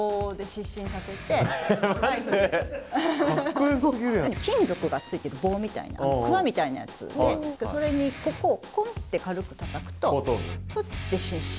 今では金属がついてる棒みたいなクワみたいなやつでそれでここをコンって軽くたたくとフッて失神する。